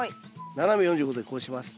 斜め４５度でこうします。